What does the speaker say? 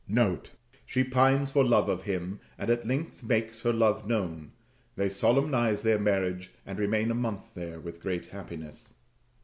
[She pines for love of him, and at length makes her love known. They solemnize their marriage, and remain a month there with great happiness.